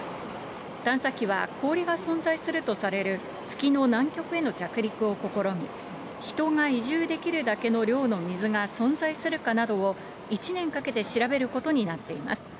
探査機は氷が存在するとされる月の南極への着陸を試み、人が移住できるだけの量の水が存在するかなどを１年かけて調べることになっています。